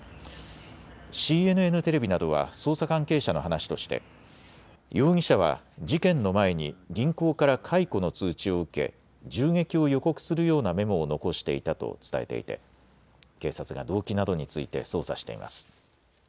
ＣＮＮテレビなどは捜査関係者の話として容疑者は事件の前に銀行から解雇の通知を受け銃撃を予告するようなメモを残していたと伝えていて警察が動機などについて捜査しています。